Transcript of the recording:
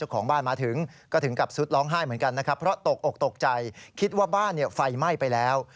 ก็ออกตกใจคิดว่าบ้านเนี่ยไฟไหม้ไปแล้ว